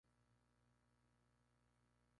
Fue sucedido por Fernando Lobo, su vicegobernador.